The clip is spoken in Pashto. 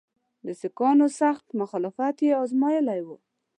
د سیکهانو سخت مخالفت یې آزمېیلی وو.